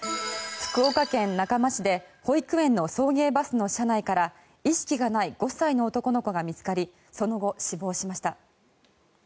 福岡県中間市で保育園の送迎バスの車内から意識がない５歳の男の子が見つかりその後、死亡しました。